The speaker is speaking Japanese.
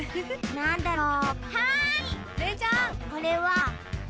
なんだろう？